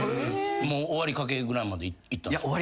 もう終わりかけぐらいまでいったんですか？